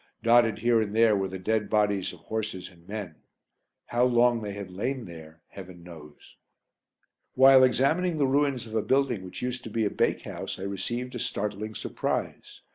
Dotted here and there were the dead bodies of horses and men: how long they had lain there Heaven knows! While examining the ruins of a building which used to be a bakehouse I received a startling surprise.